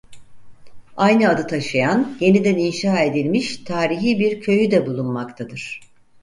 Aynı adı taşıyan yeniden inşa edilmiş tarihi bir köyü de bulunmaktadır.